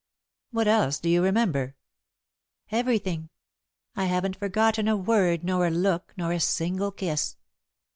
"What else do you remember?" "Everything. I haven't forgotten a word nor a look nor a single kiss.